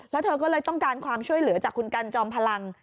แล้วเธอก็เลยต้องการความช่วยเหลือจากคุณกันจอมพลัง